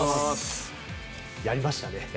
やりましたね。